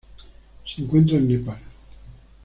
Se encuentra en Nepal